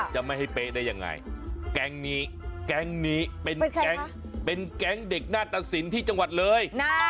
จะไม่ให้เป๊ะได้ยังไงแก๊งนี้แก๊งนี้เป็นแก๊งเป็นแก๊งเด็กหน้าตะสินที่จังหวัดเลย